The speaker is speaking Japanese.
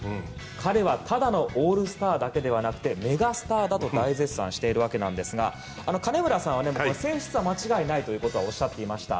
彼は、ただのオールスターだけではなくてメガスターだと大絶賛しているわけなんですが金村さんは選出は間違いないということはおっしゃっていました。